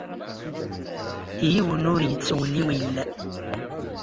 Yiwen ur yettewliwil.